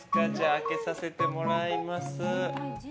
開けさせてもらいます。